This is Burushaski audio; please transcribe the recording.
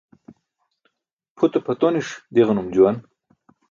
Pʰute pʰatoniṣ diġanum juwan.